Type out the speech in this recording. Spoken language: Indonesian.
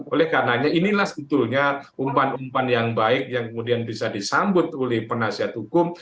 oleh karenanya inilah sebetulnya umpan umpan yang baik yang kemudian bisa disambut oleh penasihat hukum